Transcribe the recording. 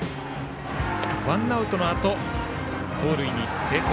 ワンアウトのあと盗塁に成功。